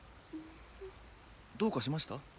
どうかしました？